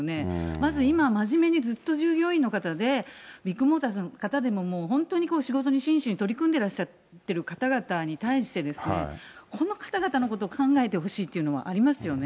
まず今、真面目にずっと従業員の方で、ビッグモーターの方でも本当に仕事に真摯に取り組んでいらっしゃってる方々に対して、この方々のこと考えてほしいというのはありますよね。